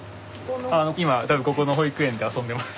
今ここの保育園で遊んでます。